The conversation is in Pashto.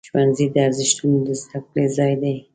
ښوونځی د ارزښتونو د زده کړې ځای دی.